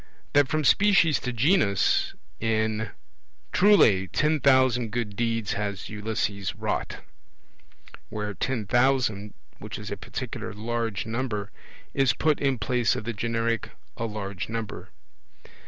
That from species to genus in 'Truly ten thousand good deeds has Ulysses wrought', where 'ten thousand', which is a particular large number, is put in place of the generic 'a large number'.